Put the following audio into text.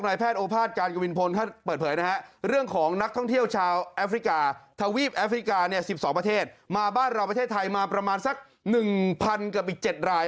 มาประมาณสัก๑๐๐๐กิโลกรัมกับอีก๗ลาย